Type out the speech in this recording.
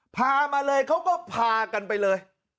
พามาเลยเขาก็พากันไปเลย